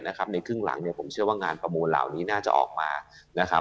ในคลึงหลังผมเชื่อว่างานประมูลเหล่านี้น่าจะออกมา